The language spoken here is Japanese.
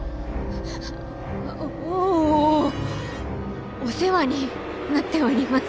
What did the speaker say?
おおぉお世話になっております。